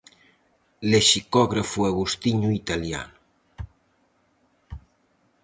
Lexicógrafo agostiño italiano.